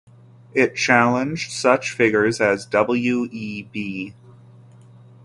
It challenged such figures as W. E. B.